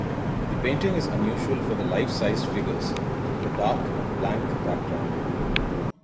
The painting is unusual for the life-sized figures, the dark and blank background.